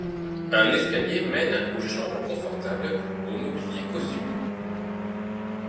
Un escalier mène aux chambres confortables au mobilier cossu.